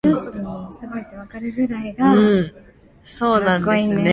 전화 받아요.